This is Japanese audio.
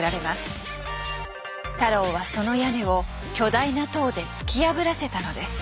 太郎はその屋根を巨大な塔で突き破らせたのです。